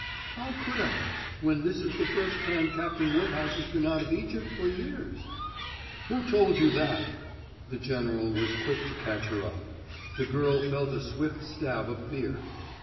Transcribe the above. "How could I, when this is the first time Captain Woodhouse has been out of Egypt for years?" "Who told you that?" The general was quick to catch her up. The girl felt a swift stab of fear.